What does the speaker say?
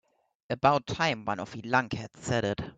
About time one of you lunkheads said it.